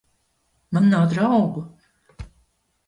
Man nav draugu!